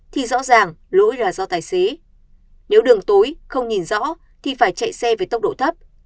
thì rõ ràng lỗi là do tài xế nếu đường tối không nhìn rõ thì phải chạy xe với tốc độ thấp